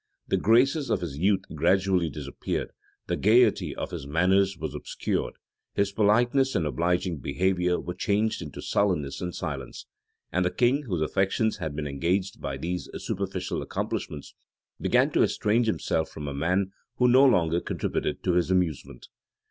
The graces of his youth gradually disappeared, the gayety of his manners was obscured, his politeness and obliging behavior were changed into sullenness and silence. And the king, whose affections had been engaged by these superficial accomplishments, began to estrange himself from a man who no longer contributed to his amusement.